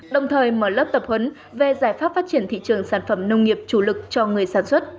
đồng thời mở lớp tập huấn về giải pháp phát triển thị trường sản phẩm nông nghiệp chủ lực cho người sản xuất